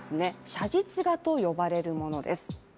写実画と呼ばれるものです。